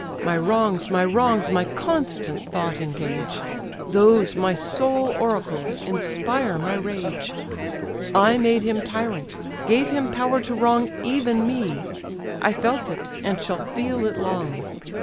My wrongs, my wrongs, my constant thought engage, Those, my sole oracles, inspire my rage: I made him tyrant: gave him power to wrong Even me: I felt it; and shall feel it long.